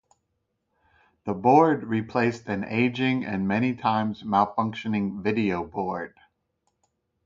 The board replaced an aging, and many times malfunctioning video board.